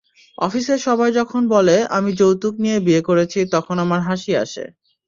অফিসের সবাই যখন বলে আমি যৌতুক নিয়ে বিয়ে করেছি তখন আমার হাসি আসে।